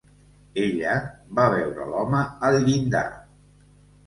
Ella va veure l"home al llindar.